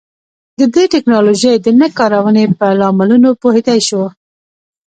د دې ټکنالوژۍ د نه کارونې پر لاملونو پوهېدای شو.